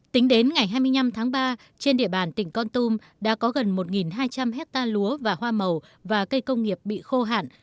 tính đến ngày hai mươi năm tháng ba trên địa bàn tỉnh con tum đã có gần một hai trăm linh hectare lúa và hoa màu và cây công nghiệp bị khô hạn